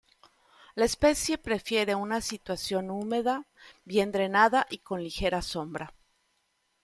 La especie prefiere una situación húmeda, bien drenada y con ligera sombra.